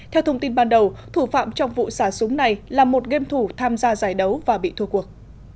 theo thông tin ban đầu thủ phạm trong vụ xả súng này là một game thủ tham gia giải đấu và bị thua cuộc